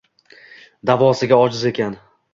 Davosiga ojiz ekan